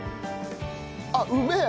あっうめえ。